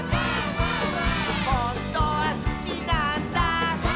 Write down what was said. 「ほんとはすきなんだ」